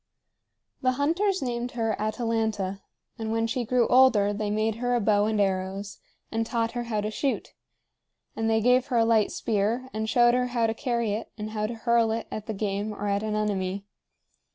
The hunters named her Atalanta, and when she grew older, they made her a bow and arrows, and taught her how to shoot; and they gave her a light spear, and showed her how to carry it and how to hurl it at the game or at an enemy.